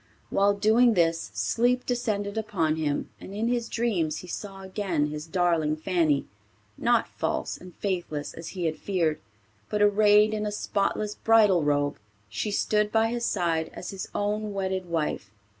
While doing this sleep descended upon him and in his dreams he saw again his darling Fanny, not false and faithless as he had feared, but arrayed in a spotless bridal robe. She stood by his side as his own wedded wife.